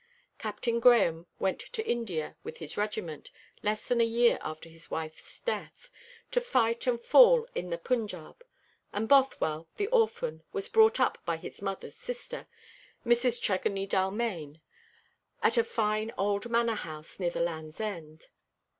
Captain Grahame went to India with his regiment, less than a year after his wife's death, to fight and fall in the Punjaub, and Bothwell, the orphan, was brought up by his mother's sister, Mrs. Tregony Dalmaine, at a fine old manor house near the Land's End.